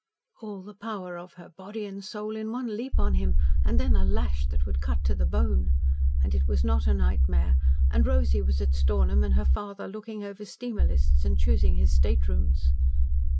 (All the power of her body and soul in one leap on him and then a lash that would cut to the bone. And it was not a nightmare and Rosy was at Stornham, and her father looking over steamer lists and choosing his staterooms.)